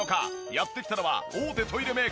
やって来たのは大手トイレメーカー